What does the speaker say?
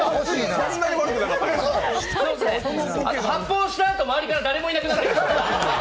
あと発砲したあと、周りから誰もいなくなる。